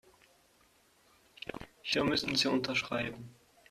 Hier müssen Sie unterschreiben.